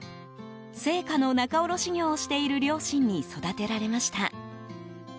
青果の仲卸業をしている両親に育てられました。